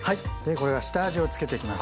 これは下味をつけていきます